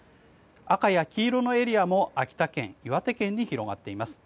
赤や黄色のエリアも秋田県、岩手県に広がっています。